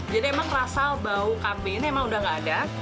jadi memang rasa bau kambing ini memang sudah tidak ada